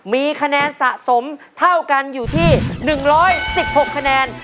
มีคะแนนสะสมเท่ากันอยู่ที่๑๑๖คะแนน